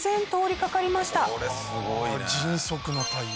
これすごいね。はあ迅速な対応。